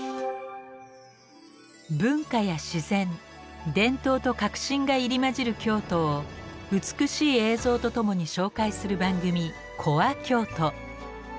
文化や自然伝統と革新が入り交じる京都を美しい映像と共に紹介する番組「ＣｏｒｅＫｙｏｔｏ」。